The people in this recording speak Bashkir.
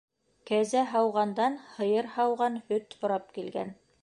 Кәзә һауғандан һыйыр һауған һөт һорап килгән.